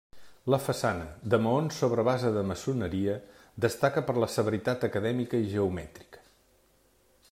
La façana, de maons sobre base de maçoneria, destaca per la severitat acadèmica i geomètrica.